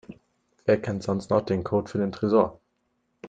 Wer kennt sonst noch den Code für den Tresor?